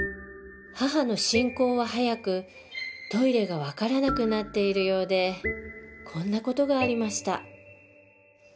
母の進行は速くトイレが分からなくなっているようでこんな事がありました